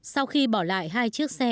sau khi bỏ lại hai chiếc xe